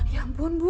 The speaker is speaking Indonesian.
ya ampun bu